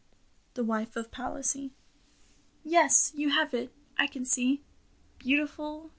^ THE WIFE OF PALISSY Yes, you have it ; I can see. Beautiful